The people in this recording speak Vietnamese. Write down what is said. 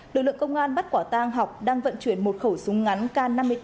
lực lượng công an bắt quả tang học đang vận chuyển một khẩu súng ngắn k năm mươi tám